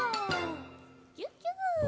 ギュッギュ！